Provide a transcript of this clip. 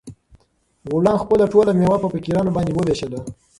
غلام خپله ټوله مېوه په فقیرانو باندې وویشله.